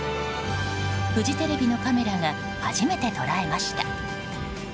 フジテレビのカメラが初めて捉えました。